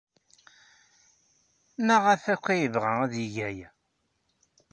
Maɣef akk ay yebɣa ad yeg aya?